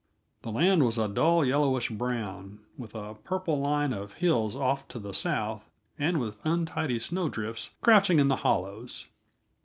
The land was a dull yellowish brown, with a purple line of hills off to the south, and with untidy snow drifts crouching in the hollows.